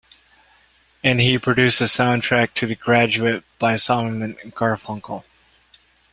And he produced the soundtrack to "The Graduate", by Simon and Garfunkel.